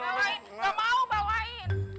bawain gak mau bawain